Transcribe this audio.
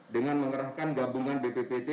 dengan mengerahkan gabungan bppt